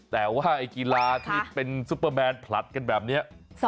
แต่ว่าไอ้กีฬาที่เป็นซุปเปอร์แมนผลัดกันแบบนี้